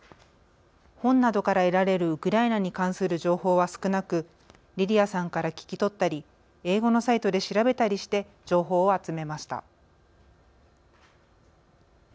本などから得られるウクライナに関する情報は少なくリリアさんから聞き取ったり英語のサイトで調べたりして情報を集めました。